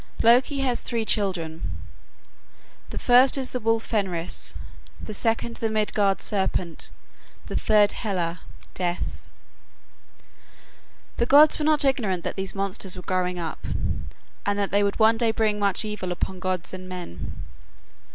Loki has three children. The first is the wolf Fenris, the second the Midgard serpent, the third Hela (Death), The gods were not ignorant that these monsters were growing up, and that they would one day bring much evil upon gods and men.